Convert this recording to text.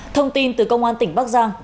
thông tin từ công an tỉnh bắc giang